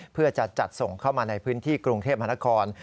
เพื่อจะจัดส่งเข้ามาในพื้นที่กรุงเทพมหานคร